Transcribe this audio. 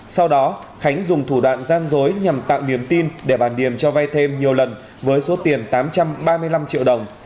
sau đó khánh dùng thủ đoạn gian dối nhằm tạo niềm tin để bà điềm cho vay thêm nhiều lần với số tiền tám trăm ba mươi năm triệu đồng